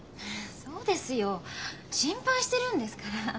そうですよ心配してるんですから。